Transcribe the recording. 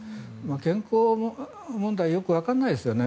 健康問題よくわからないですよね